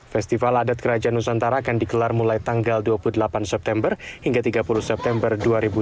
festival adat kerajaan nusantara akan dikelar mulai tanggal dua puluh delapan september hingga tiga puluh september dua ribu dua puluh